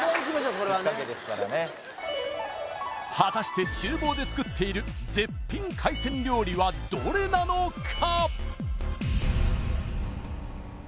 これはね果たして厨房で作っている絶品海鮮料理はどれなのか？